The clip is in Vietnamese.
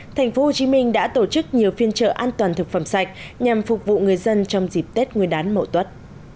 tp hcm đã tổ chức nhiều phiên trợ an toàn thực phẩm sạch nhằm phục vụ người dân trong dịp tết nguyên đán mậu tuất